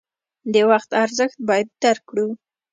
د وخت ارزښت باید درک کړو.